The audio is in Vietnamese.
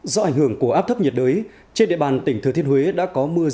do ảnh hưởng của áp thấp nhiệt đới trên địa bàn tỉnh thừa thiên huế đã có mưa rông